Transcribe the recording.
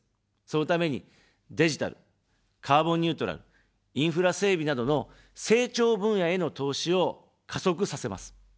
そのために、デジタル、カーボン・ニュートラル、インフラ整備などの成長分野への投資を加速させます。